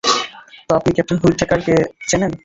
তো আপনি ক্যাপ্টেন হুইটেকারকে চেনেন।